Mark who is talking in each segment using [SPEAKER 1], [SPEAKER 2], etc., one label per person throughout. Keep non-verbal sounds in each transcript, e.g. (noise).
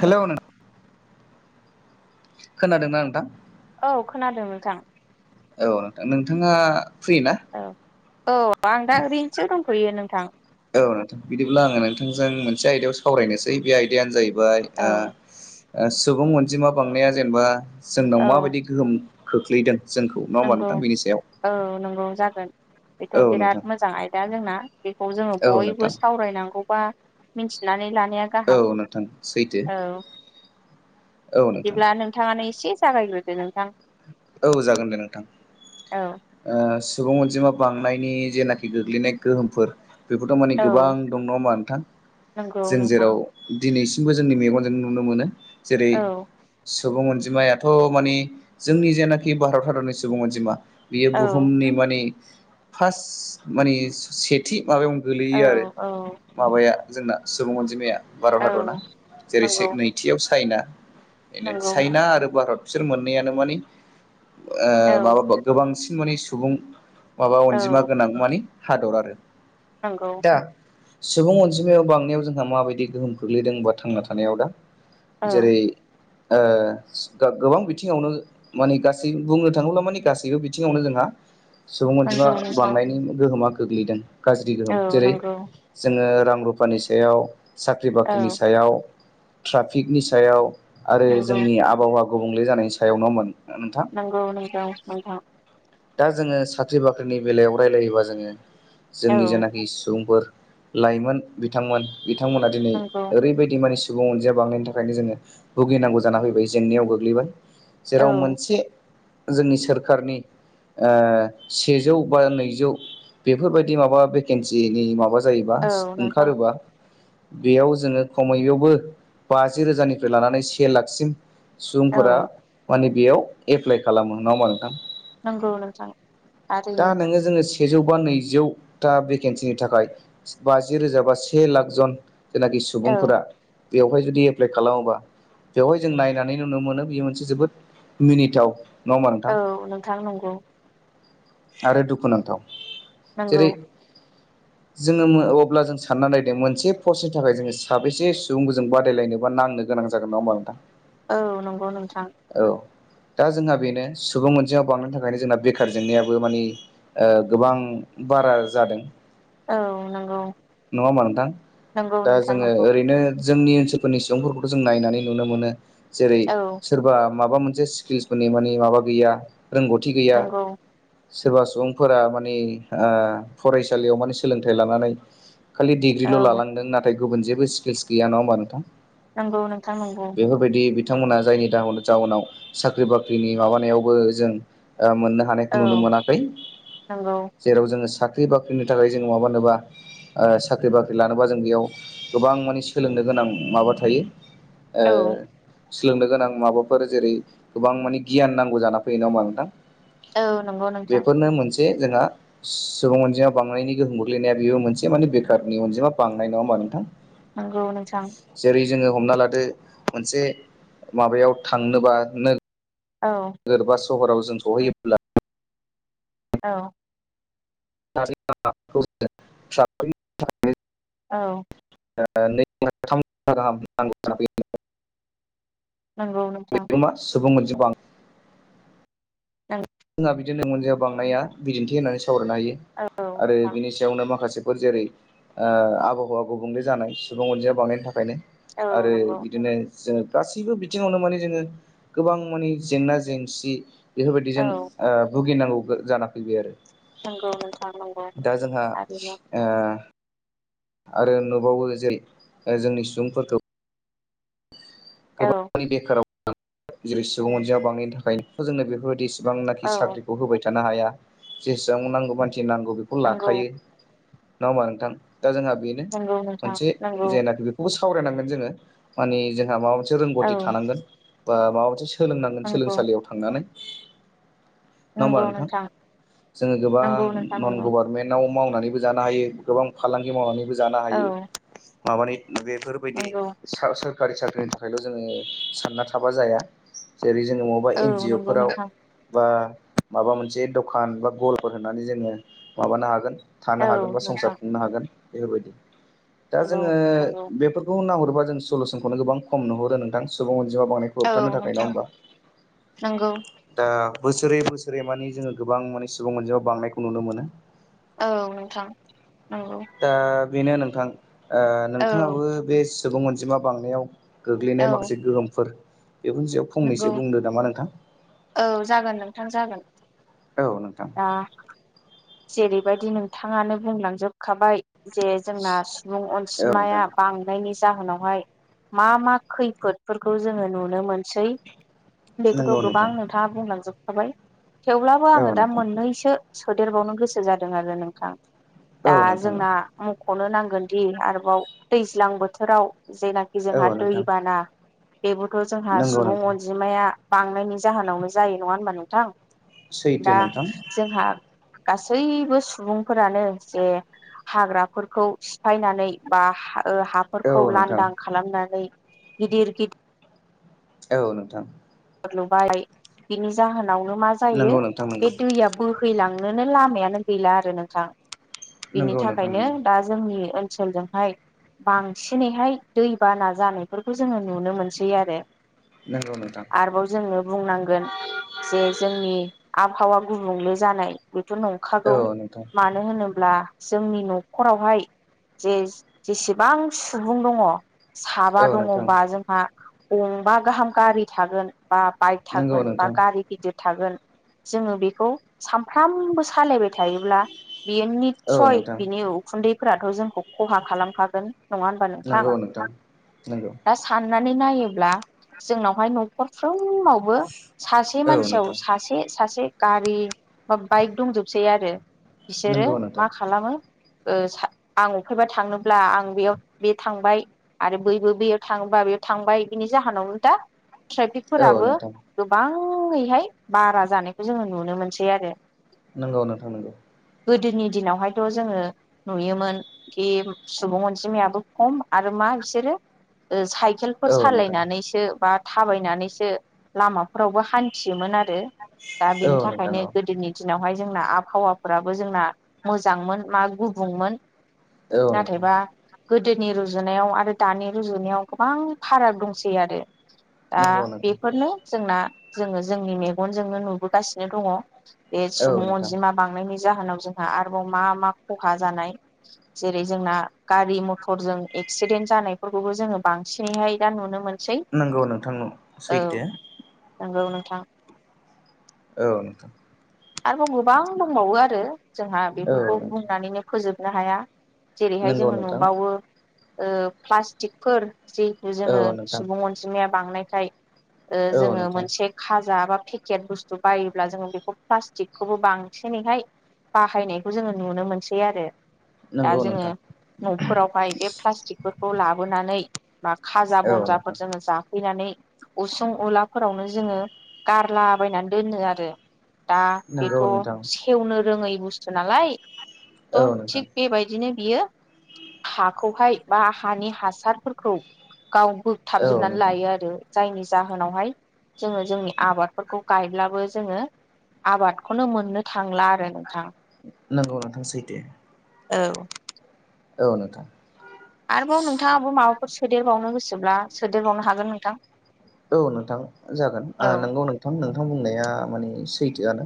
[SPEAKER 1] Hello नों खोनादोंना नोंथां?
[SPEAKER 2] औ खोनादों नोंथां
[SPEAKER 1] (inaudible) औ नोंथाङा फ्रि ना?
[SPEAKER 2] औ औ आं दा ओरैनोसो दंथ'यो नोंथां
[SPEAKER 1] (inaudible) औ नोंथां बिदिब्ला आङो नोंथांजों मोन से आयदायाव सावरायनोसै बे आयदायानो जाहैबाय
[SPEAKER 2] औ
[SPEAKER 1] ओ सुबुं अनजिमा बांनाया जेनेबा जोंनाव
[SPEAKER 2] औ
[SPEAKER 1] माबायदि गोहोम खोख्लैदों, जोंखौ नङा होमबा
[SPEAKER 2] नंगौ
[SPEAKER 1] नोंथां? बेनि सायाव।
[SPEAKER 2] औ नंगौ जागोन बेथ'
[SPEAKER 1] औ
[SPEAKER 2] बिराद
[SPEAKER 1] नोंथां
[SPEAKER 2] मोजां आयदा जोंना बेखौ जोङो
[SPEAKER 1] औ
[SPEAKER 2] बयबो
[SPEAKER 1] नोंथां
[SPEAKER 2] सावरायनांगौ बा मिथिनानै ला नाया
[SPEAKER 1] औ
[SPEAKER 2] गाहाम
[SPEAKER 1] नोंथां सैथो
[SPEAKER 2] औ।
[SPEAKER 1] औ
[SPEAKER 2] (inaudible)
[SPEAKER 1] नोंथां
[SPEAKER 2] बिदिब्ला नोंथाङानो एसे जागायग्रोदो नोंथां।
[SPEAKER 1] औ जागोन दे नोंथां।
[SPEAKER 2] औ
[SPEAKER 1] ओ सुबुं अनजिमा बांनायनि जेनाखि गोग्लैनाय गोहोमफोर बेफोरथ' माने गोबां
[SPEAKER 2] औ
[SPEAKER 1] दं नङा होमसा नोंथां
[SPEAKER 2] नंगौ
[SPEAKER 1] जों
[SPEAKER 2] नोंथां
[SPEAKER 1] जेराव दिनैसिमबो जोंनि मेगनजों नुनो मोनो। जेरै
[SPEAKER 2] औ
[SPEAKER 1] सुबुं अनजिमायाथ' मानि जोंनि जेनाखि भारत हादरनि सुबुं अनजिमा बियो
[SPEAKER 2] औ
[SPEAKER 1] बुहुमनि माने फार्स्ट माने सेथि माबायावनो
[SPEAKER 2] औ
[SPEAKER 1] गोलैयो आरो
[SPEAKER 2] औ
[SPEAKER 1] माबाया जोंना सुबुं अनजिमाया। भारत हादरना
[SPEAKER 2] औ
[SPEAKER 1] जेरै
[SPEAKER 2] नंगौ
[SPEAKER 1] से नैथियाव चाइना बेनो
[SPEAKER 2] नंगौ
[SPEAKER 1] चाइना आरो भारत बिसोर मोननैयानो मानि ओ
[SPEAKER 2] औ
[SPEAKER 1] माबाबाव बांसिन माने सुबुं माबा अनजिमा
[SPEAKER 2] औ
[SPEAKER 1] गोनां मानि हादर आरो।
[SPEAKER 2] नंगौ
[SPEAKER 1] दा सुबुं अनजिमायाव बांनायाव जोंहा माबायदि गोहोम खोख्लैदों होमबा थांना थानायाव दा।
[SPEAKER 2] औ
[SPEAKER 1] जेरै ओ गो-गोबां बिथिङावनो माने गासै बुंनो थाङोब्ला माने गासैबो बिथिङावनो जोंहा सुबुं अनजिमा
[SPEAKER 2] नंगौ नोंथां
[SPEAKER 1] बांनायनि गोहोमा गोग्लैदों। गाज्रि
[SPEAKER 2] औ
[SPEAKER 1] गोहोम जेरै
[SPEAKER 2] नंगौ
[SPEAKER 1] जोङो रां रुफानि सायाव साख्रि बाख्रिनि
[SPEAKER 2] औ
[SPEAKER 1] सायाव ट्राफिकनि सायाव आरो
[SPEAKER 2] नंगौ
[SPEAKER 1] जोंनि आबहावा गुबुंले जानायनि सायाव नङा होमबि नों
[SPEAKER 2] नोंगौ नोंथां नोंथां
[SPEAKER 1] दा जोङो साख्रि बाख्रिनि बेलायाव रायलायोबा जोङो
[SPEAKER 2] औ
[SPEAKER 1] जोंनि जानाखि सुबुंफोर लाइमोन बिथांमोन बिथांमोना दिनै
[SPEAKER 2] नंगौ
[SPEAKER 1] ओरैबायदि मान सुबुं अनजिया बांनायनि थाखायनो जोङो भुगिनांगौ जाना फैबाय जेंनायाव गोग्लैबाय
[SPEAKER 2] औ
[SPEAKER 1] जेराव मोनसे जोंनि सोरकारनि ओ सेजौ बा नैजौ बेफोरबायदि माबा भेकेन्सिनि माबा जायोबा
[SPEAKER 2] औ नोंथां
[SPEAKER 1] ओंखारोबा बेयाव जोङो खमैयावबो बाजि रोजानिफ्राय लानानै से लाखसिम
[SPEAKER 2] औ
[SPEAKER 1] सुबुंफोरा माने बेयाव एप्लाइ खालामो नङा होनबा नोंथां।
[SPEAKER 2] नोंगौ नोंथां
[SPEAKER 1] दा
[SPEAKER 2] थारैनो
[SPEAKER 1] नोङो जोङो सेजौ बा नैजौथा भेकेन्सिनि थाखाय बा जि रोजा बा से लाख जन जेनाखि
[SPEAKER 2] औ
[SPEAKER 1] सुबुंफोरा बेवहाय जुदि एप्लाइ खालामोबा बेवहाय जों नायनानै नुनो मोनो बेयो मोनसे जोबोद मिनिथाव नङा होमबा नोंथां
[SPEAKER 2] औ नोंथां नंगौ
[SPEAKER 1] आरो दुखुनांथाव।
[SPEAKER 2] नंगौ
[SPEAKER 1] जेरै जोङो मो अब्ला जों सानना नायदो मोनसे पस्टनि थाखाय जोङो साबेसे सुबुंफोर जों बादायलायनोबा ना नांनो गोनां जागोन नङा होमबा नोंथां।
[SPEAKER 2] औ नंगौ नोंथां
[SPEAKER 1] औ दा जोंहा बेनो सुबुं अनजिमा बांनो था खायनो जोंना बेखार जेंनायाबो मानि ओ गोबां बारा जादों।
[SPEAKER 2] औ नंगौ
[SPEAKER 1] नङा होममा नोंथां।
[SPEAKER 2] नंगौ
[SPEAKER 1] दा
[SPEAKER 2] नोंथां
[SPEAKER 1] जोङो
[SPEAKER 2] नंगौ
[SPEAKER 1] ओरैनो जोंनि ओनसोलफोरनि सुबुंफोरखौथ' जों नायनानै नुनो मोनो जेरै
[SPEAKER 2] औ
[SPEAKER 1] सोरबा मा मोनसे स्किल्सफोरनि मानि माबा गैया रोंगौथि गैया
[SPEAKER 2] नंगौ
[SPEAKER 1] सोरबा सुबुंफोरा माने ओ फरायसालियाव माने सोलोंथाइ लानानै खालि
[SPEAKER 2] औ
[SPEAKER 1] डिग्रिल' लालांदों नाथाय गुबुन जेबो स्किल्स गैया नङा होमबा नोंथां।
[SPEAKER 2] नंगौ नोंथां नंगौ
[SPEAKER 1] बेफोरबायदि बिथांमोना जायनि दाउन जाउनाव साख्रि बाख्रिनि माबानायावबो जों ओ मोननो हानायखौ
[SPEAKER 2] औ
[SPEAKER 1] नुनो मोनाखै।
[SPEAKER 2] नंगौ
[SPEAKER 1] जेराव जोङो सा ख्रि बाख्रिनि थाखाय जोंङो माबानोबा ओ साख्रि बाख्रि लानोबा जों बेयाव गोबां मानि सोलोंनो गो नां माबा थायो ओ
[SPEAKER 2] औ
[SPEAKER 1] सोलोंनो गोनां माबाफोर जेरै गोबां माने गियान नांगौ जाना फैयो ना होमबा नोंथां।
[SPEAKER 2] औ नंगौ नोंथां
[SPEAKER 1] जे जोंहा सुबुं अनजिमा बांनायनि गोहोम गोग्लैनाया बेबो मोनसे माने बेखारनि अनजिमा बांनाय नङा होमबा नोंथां।
[SPEAKER 2] नोंगौ नोंथां।
[SPEAKER 1] जेरै जोङो हमना लादो मोनसे माबायाव थांनोबा नो
[SPEAKER 2] औ
[SPEAKER 1] सहराव जों सहैयोब्ला
[SPEAKER 2] औ
[SPEAKER 1] (unintelligible)
[SPEAKER 2] औ
[SPEAKER 1] ाम (unintelligible)
[SPEAKER 2] नंगौ नों नोंथां
[SPEAKER 1] सुबुं मोनसेबां जोंहा बिदिनो मोनजा बांनाया बिदिन्थि होननानै सावरायनो हायो
[SPEAKER 2] औ
[SPEAKER 1] आरो
[SPEAKER 2] नोंथां
[SPEAKER 1] बिनि सायावनो माखासे फोर जेरै ओ आबहावा गुबुंले जानाय सुबुं अनजिमाया बांनायनि थाखायनो
[SPEAKER 2] औ
[SPEAKER 1] आरो
[SPEAKER 2] नंगौ
[SPEAKER 1] बिदिनो जो गासैबो बिथिङावनो माने जोङो गोबां माने जेंना जेंसि
[SPEAKER 2] औ
[SPEAKER 1] बेफोरबायदिजों ओ भुगिनांगौ जाना फैबाय आरो
[SPEAKER 2] नंगौ नोंथां नंगौ
[SPEAKER 1] दा जोंहा
[SPEAKER 2] थारैनो
[SPEAKER 1] ओ आरो नुबावो जे ओ जोंनि सुबुंफोरखौ
[SPEAKER 2] औ
[SPEAKER 1] बेखाराव जेरै सुबुं अनजिमा बांनायनि थाखाय जोंनो बेफोरबायदि बेसेबांनाखि
[SPEAKER 2] औ
[SPEAKER 1] साख्रिखौ होबाय थानो हाया, जेसेबां नांगौ मान सि नांगौ बेखौ
[SPEAKER 2] नंगौ
[SPEAKER 1] लाखायो नङा होमबा नोंथां? दा जोंहा बेनो
[SPEAKER 2] नंगौ नोंथां
[SPEAKER 1] मोनसे
[SPEAKER 2] नंगौ
[SPEAKER 1] जेनाखि बेखौबो सावरायनांगोन जोङो माने जोंहा माबा मोनसे
[SPEAKER 2] औ
[SPEAKER 1] रोंगौथि थानांगोन बा माबा मोनसे सोलोंनांगोन
[SPEAKER 2] नंगौ
[SPEAKER 1] सोलोंसालियाव थांनानै, नङा होमबा नोंथां? जोङो गोबां
[SPEAKER 2] नंगौ नोंथां
[SPEAKER 1] नन
[SPEAKER 2] नंगौ
[SPEAKER 1] गभर्नमेन्टाव माव नानैबो जानो हायो, गोबां फालांगि मावनानैबो जानो
[SPEAKER 2] औ
[SPEAKER 1] हायो, बा मानि बेफोरबायदि
[SPEAKER 2] नंगौ
[SPEAKER 1] सा सोरखारि साख्रिनि थाखायल' जोङो सानना थाबा जाया। जेरै जोङो बबेबा
[SPEAKER 2] औ
[SPEAKER 1] एन जि अ
[SPEAKER 2] नंगौ
[SPEAKER 1] फोराव
[SPEAKER 2] नोंथां
[SPEAKER 1] बा माबा मोनसे दखान बा गलाफोर होननानै जोङो माबानो हागोन थानो
[SPEAKER 2] औ
[SPEAKER 1] हागोन बा संसार
[SPEAKER 2] नोंथां
[SPEAKER 1] खुंनो हागोन बेफोरबायदि। दा
[SPEAKER 2] नंगौ
[SPEAKER 1] जोङो
[SPEAKER 2] नंगौ
[SPEAKER 1] बेफोरखौ नाहर बा जों सलुसनखौनो गोबां खम नुहरो नोंथां, सुबुं अनजिमा बांनायखौ
[SPEAKER 2] औ
[SPEAKER 1] होबथानो थाखाय नङा
[SPEAKER 2] नोंथां
[SPEAKER 1] होमबा?
[SPEAKER 2] नंगौ
[SPEAKER 1] दा बोसोरै बोसोरै माने जोङो गोबां माने सुबुं अनजिमा बांनायखौ नुनो मोनो।
[SPEAKER 2] औ नोंथां। नंगौ
[SPEAKER 1] दा बेनो नोंथां ओ
[SPEAKER 2] औ
[SPEAKER 1] नोंथाङाबो बे सुबुं अनजिमा बांनायाव गोग्लैनाय
[SPEAKER 2] औ
[SPEAKER 1] माखासे गोहोमफोर बेफोरनि सायाव
[SPEAKER 2] नंगौ
[SPEAKER 1] फंनैसो बुंदो नामा नोंथां?
[SPEAKER 2] औ जागोन नोंथां जागोन
[SPEAKER 1] औ नोंथां।
[SPEAKER 2] दा जेरैबायदि नोंथाङानो बुंलांजोबखाबाय जे जोंना सुबुं
[SPEAKER 1] औ नोंथां
[SPEAKER 2] अनसिमाया बांनायनि जाहोनावहाय मा मा खैफोदफोरखौ जोङो नुनो मोन सै,
[SPEAKER 1] नंगौ
[SPEAKER 2] बेखौथ' गोबां
[SPEAKER 1] नोंथां
[SPEAKER 2] नोंथाङा बुंलांजोबखाबाय। थेवब्लाबो
[SPEAKER 1] औ
[SPEAKER 2] आङो दा
[SPEAKER 1] नोंथां
[SPEAKER 2] मोननैसो सोदेरबावनो गोसो जादों आरो नोंथां।
[SPEAKER 1] औ
[SPEAKER 2] दा
[SPEAKER 1] नोंथां
[SPEAKER 2] जोंना मख'नो नांगोनदि आरोबाव दैज्लां बोथोराव जेनाखि
[SPEAKER 1] औ
[SPEAKER 2] जोंहा
[SPEAKER 1] औ नोंथां
[SPEAKER 2] दैबाना बेबोथ' जोंहा
[SPEAKER 1] नंगौ
[SPEAKER 2] सुबुं
[SPEAKER 1] नोंथां
[SPEAKER 2] अनजिमाया बांनायनि जाहोनावनो जायो नङा होनबा नोंथां?
[SPEAKER 1] सैथो
[SPEAKER 2] दा
[SPEAKER 1] नोंथां
[SPEAKER 2] जोंहा गासैबो सुबुंफोरानो जे हाग्राफोरखौ सिफायनानै बा हा ओ
[SPEAKER 1] औ
[SPEAKER 2] हाफोरखौ
[SPEAKER 1] नोंथां
[SPEAKER 2] लांदां खालामनानै गिदिर गिदिर
[SPEAKER 1] औ नोंथां।
[SPEAKER 2] लुबाय बिनि जाहोनावनो मा जायो,
[SPEAKER 1] नंगौ नोंथां
[SPEAKER 2] बे
[SPEAKER 1] नंगौ
[SPEAKER 2] दैया बोहैलां नोनो लामायानो गैला आरो नोंथां। बिनि
[SPEAKER 1] नंगौ नोंथां
[SPEAKER 2] थाखायनो
[SPEAKER 1] नंगौ
[SPEAKER 2] दा जोंनि ओनसोलजोंहाय बांसिनैहाय दैबाना जानायफोरखौ जोङो नुनो मोनसै आरो।
[SPEAKER 1] नंगौ नों
[SPEAKER 2] आरोबाव जोङो बुंनांगोन जे जोंनि आबहावा गुबुंले जानाय बेथ'
[SPEAKER 1] औ
[SPEAKER 2] नंखागौ
[SPEAKER 1] नोंथां
[SPEAKER 2] मानो होनोब्ला जोंनि न'खरावहाय जे-जेसेबां सुबुं दङ साबा
[SPEAKER 1] औ नोंथां
[SPEAKER 2] दङ'बा जोंहा गंबा गाहाम गारि थागोन बा बाइक
[SPEAKER 1] नंगौ
[SPEAKER 2] थागोन बा
[SPEAKER 1] नोंथां
[SPEAKER 2] गारि गिदिर थागोन जोङो बेखौ सानफ्रामबो सालायबाय थायोब्ला बियो
[SPEAKER 1] औ
[SPEAKER 2] नितसय
[SPEAKER 1] नोंथां
[SPEAKER 2] बिनि उखुन्दैफोराथ' जोंखौ खहा खालामखागोन। नङा होनबा नोंथां?
[SPEAKER 1] नंगौ
[SPEAKER 2] दा सान नानै नायोब्ला जोंनावहाय न'खरफ्रोमावबो सासे
[SPEAKER 1] औ
[SPEAKER 2] मानसियाव
[SPEAKER 1] नोंथां
[SPEAKER 2] सासे सासे गारि बा बाइक दंजोबसै आरो, बिसोरो
[SPEAKER 1] नंगौ नोंथां
[SPEAKER 2] मा खालामो ओ सा आं अफायबा थांनोब्ला आं बेयाव बे थांबाय आरो बैबो बैयाव थांङोबा बेयाव थांबाय बिनि जाहोनावनो दा
[SPEAKER 1] औ
[SPEAKER 2] ट्रेफिकफोराबो
[SPEAKER 1] नोंथां
[SPEAKER 2] गोबाङैहाय बारा जानायखौ जोङो नुनो मोनसै आरो
[SPEAKER 1] नंगौ नोंथां नंगौ
[SPEAKER 2] गोदोनि दिनावहायथ जोङो नुयोमोन खि सुबुं अनजिमायाबो खम आरो मा मा बिसोरो ओ साय साइखेलफोर
[SPEAKER 1] औ नोंथां
[SPEAKER 2] सालायनानैसो बा थाबायनानैसो लामाफोरावबो हान्थियोमोन आरो दा
[SPEAKER 1] औ
[SPEAKER 2] बेनि
[SPEAKER 1] नोंथां
[SPEAKER 2] थाखायनो गोदोनि दिन नावहाय जोंना आबहावाफोराबो जोंना मोजांमोन मा गुबुंमोन
[SPEAKER 1] औ औ नोंथां
[SPEAKER 2] नाथायबा गोदोनि रुजुनायाव आरो दानि रुजुनायाव गोबां फाराग दंसै आरो दा
[SPEAKER 1] नंगौ नोंथां
[SPEAKER 2] बेफोरनो जोंना जोङो जोंनि मेगनजोंनो नुबोगासिनो दङ' बे
[SPEAKER 1] औ
[SPEAKER 2] सुबुं
[SPEAKER 1] नोंथां
[SPEAKER 2] अनजिमा बांनायनि जाहोनाव जोंहा आरोबाव मा मा खहा जानाय जेरै जोंना गारि मथरजों एक्सिडेन्ट जानायफोरखौबो जोङो बांसिनैहाय दा नुनो मोनसै
[SPEAKER 1] औ नोंथां औ
[SPEAKER 2] औ
[SPEAKER 1] सैथो
[SPEAKER 2] नंगौ नोंथां
[SPEAKER 1] औ नोंथां
[SPEAKER 2] आरोबाव गोबां दंबावो आरो जोंहा बेफोरखौ
[SPEAKER 1] औ नोंथां
[SPEAKER 2] बुंनानैनो फोजोबनो हाया जेरैहाय
[SPEAKER 1] नंगौ
[SPEAKER 2] जोङो
[SPEAKER 1] नोंथां
[SPEAKER 2] नुबावो ओ प्लास्टिकफोर जिहेतु जोङो
[SPEAKER 1] औ नोंथां
[SPEAKER 2] सुबुं अनजिमाया बांनायखाय ओ
[SPEAKER 1] औ
[SPEAKER 2] जोङो
[SPEAKER 1] नोंथां
[SPEAKER 2] मोनसे खाजा बा फेकेट बुस्थु बायोब्ला जोङो बेखौ प्लास्टिकखौबो बांसिनैहाय बाहायनायखौ जोङो नुनो मोनसै आरो दा
[SPEAKER 1] नंगौ
[SPEAKER 2] जोङो
[SPEAKER 1] नोंथां
[SPEAKER 2] नफोरावहाय बे प्लास्टिकफोरखौ लाबोनानै बा खाजा
[SPEAKER 1] औ
[SPEAKER 2] बनजाफोर
[SPEAKER 1] नोंथां
[SPEAKER 2] जोङो जाफैनानै उसुं उलाफोरावनो जोङो गारलाबायनानै दोनो आरो दा बेथ
[SPEAKER 1] नंगौ नोंथां
[SPEAKER 2] सेवनो रोङै बुस्थु नालाय थ
[SPEAKER 1] औ नोंथां
[SPEAKER 2] थिग बेबायदिनो बियो हाखौहाय बा हानि हासारफोरखौ गाव
[SPEAKER 1] औ
[SPEAKER 2] बोगथाबजोबनानै
[SPEAKER 1] नोंथां
[SPEAKER 2] लायो आरो जायनि जाहोनावहाय जोङो जोंनि आबादफोरखौ गायब्लाबो जोङो आबादखौनो मोननो थांला आरो नोंथां
[SPEAKER 1] नंगौ नोंथां सैथो
[SPEAKER 2] औ
[SPEAKER 1] औ नोंथां
[SPEAKER 2] आरोबाव नोंथाङाबो माबाफोर सोदेरबावनो गोसोब्ला सोदेरबावनो हागोन नोंथां
[SPEAKER 1] औ नोंथां जागोन ओ
[SPEAKER 2] औ
[SPEAKER 1] नंगौ नोंथां नोंथां बुंनाया माने सैथोआनो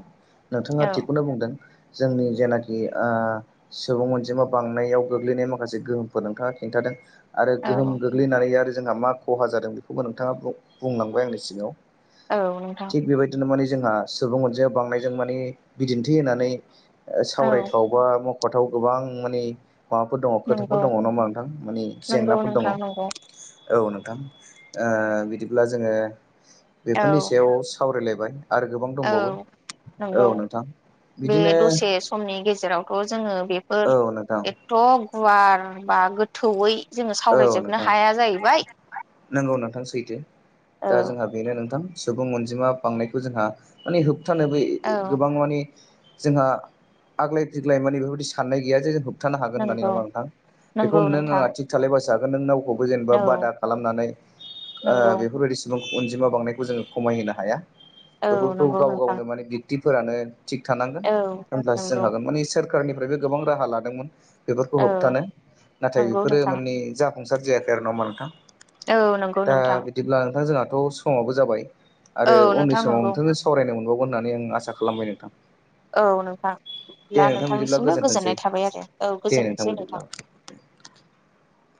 [SPEAKER 1] नोंथाङा
[SPEAKER 2] औ
[SPEAKER 1] थिगखौनो बुंदों जोंनि जेनाखि आ सुबुं अनजिमा बांनायाव गोग्लैनाय माखासे गोहोमफोर नोंथाङा खिन्थादों आरो गोहोम
[SPEAKER 2] औ
[SPEAKER 1] गोग्लैनानै आरो जोंहा मा खहा जादों बेखौबो नोंथाङा बुं-बुंलांबाय आंनि सिगाङाव
[SPEAKER 2] औ नोंथां
[SPEAKER 1] थिग बेबायदि माने जोंहा सुबुं अनजिमा बांनायजों माने बिदिन्थि होनानै
[SPEAKER 2] औ
[SPEAKER 1] ओ (unintelligible) (unintelligible) गोबां माने माबाफोर दङ खोथाफोर
[SPEAKER 2] नंगौ
[SPEAKER 1] दङ नङा होमबा नोंथां माने
[SPEAKER 2] नंगौ
[SPEAKER 1] जेंनाफोर दङ
[SPEAKER 2] नोंथां नंगौ
[SPEAKER 1] औ नोंथां ओ बिदिब्ला जोङो बेफोरनि
[SPEAKER 2] औ
[SPEAKER 1] सायाव सावरायलायबाय आरो गोबां दंबावो
[SPEAKER 2] औ
[SPEAKER 1] औ
[SPEAKER 2] नंगौ
[SPEAKER 1] नोंथां
[SPEAKER 2] बे
[SPEAKER 1] बिदिनो
[SPEAKER 2] दसे समनि गेजेरावथ जोङो बेफोर
[SPEAKER 1] औ नोंथां
[SPEAKER 2] एथ गुवार बा गोथौयै जोङो
[SPEAKER 1] औ
[SPEAKER 2] सावरायजोबनो
[SPEAKER 1] नोंथां
[SPEAKER 2] हाया जाहैबाय
[SPEAKER 1] नंगौ नोंथां सैथो
[SPEAKER 2] औ
[SPEAKER 1] दा जोंहा बेनो नोंथां सुबुं अनजिमा बांनायखौ जोंहा माने होबथानोबो
[SPEAKER 2] औ
[SPEAKER 1] गोबां माने जोंहा आग्लाय बिग्लाय माने (unintelligible) साननाय गैया जे जोंखौ होबथानो हागोन होननानै नङा
[SPEAKER 2] नंगौ
[SPEAKER 1] होमबा नोंथां बेखौ
[SPEAKER 2] नंगौ
[SPEAKER 1] नों
[SPEAKER 2] नोंथां
[SPEAKER 1] आंआ दि बा जागोन नों नावखौबो जेनेबा
[SPEAKER 2] औ
[SPEAKER 1] बादा खालामनानै ओ
[SPEAKER 2] नंगौ
[SPEAKER 1] बेफोरबायदि सुबुं अनजिमा बांनायखौ जोङो खमायहोनो हाया
[SPEAKER 2] औ
[SPEAKER 1] बेफोरखौ
[SPEAKER 2] नंगौ
[SPEAKER 1] गाव
[SPEAKER 2] नोंथां
[SPEAKER 1] गावनो माने दिन्थि फोरानो थिग थानांगोन
[SPEAKER 2] औ
[SPEAKER 1] होमब्लासो जों
[SPEAKER 2] नंगौ
[SPEAKER 1] हागोन माने सोरखारनिफ्रायबो गोबां राहा लादोंमोन। बेफोरखौ
[SPEAKER 2] औ
[SPEAKER 1] होबथानो नाथाय
[SPEAKER 2] नंगौ
[SPEAKER 1] बेफोरो
[SPEAKER 2] नोंथां
[SPEAKER 1] माने जाफुंसार जायाखै आरो नङा होनबा
[SPEAKER 2] औ नंगौ
[SPEAKER 1] नोंथां। दा
[SPEAKER 2] नोंथां
[SPEAKER 1] बिदिब्ला नोंथां जोंहा दाथ' समाबो जाबाय
[SPEAKER 2] औ
[SPEAKER 1] आरो उननि
[SPEAKER 2] नोंथां
[SPEAKER 1] समाव
[SPEAKER 2] नंगौ
[SPEAKER 1] नोंथांजों सावरायनो मोनबावगोन होननानै आं आसा खालामबाय नोंथां।
[SPEAKER 2] औ नोंथां।
[SPEAKER 1] दे
[SPEAKER 2] अब्ला
[SPEAKER 1] नोंथां बिदिब्ला
[SPEAKER 2] नोंथांनिसिमबो
[SPEAKER 1] गोजोनथोंसै
[SPEAKER 2] गोजोननाय थाबाय आरो औ
[SPEAKER 1] दे
[SPEAKER 2] गोजोनथोंसै
[SPEAKER 1] बिदिब्ला
[SPEAKER 2] नोंथां।
[SPEAKER 1] (unintelligible) (inaudible)